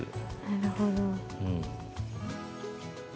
なるほど。